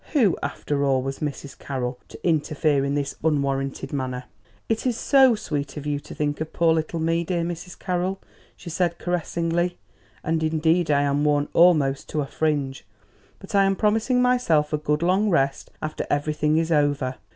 Who, after all, was Mrs. Carroll to interfere in this unwarranted manner? "It is so sweet of you to think of poor little me, dear Mrs. Carroll," she said caressingly. "And indeed I am worn almost to a fringe; but I am promising myself a good, long rest after everything is over.